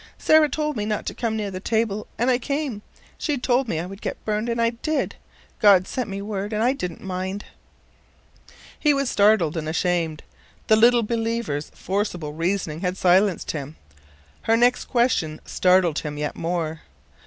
Sarah told me not to come near the table, and I came. She told me I would get burned, and I did. God sent me word and I didn't mind." He was startled and ashamed. The little believer's forcible reasoning had silenced him. Her next question startled him yet more.